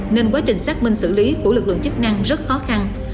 nên quá trình xác minh xử lý của lực lượng chức năng rất khó khăn